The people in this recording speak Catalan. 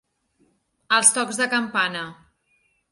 Els tocs de campana.